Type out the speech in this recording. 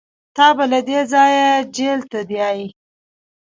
تا به له دې ځايه جېل ته بيايي.